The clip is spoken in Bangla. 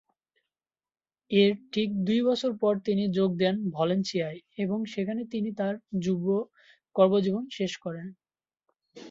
এর ঠিক দুই বছর পর তিনি যোগ দেন ভালেনসিয়ায় এবং সেখানে তিনি তার যুব কর্মজীবন শেষ করেন।